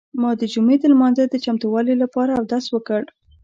ما د جمعې د لمانځه د چمتووالي لپاره اودس وکړ.